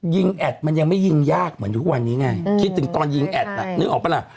แอดมันยังไม่ยิงยากเหมือนทุกวันนี้ไงคิดถึงตอนยิงแอดน่ะนึกออกปะล่ะ